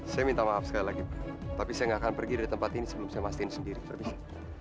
saya minta maaf sekali lagi pak tapi saya tidak akan pergi dari tempat ini sebelum saya memastikan sendiri permisi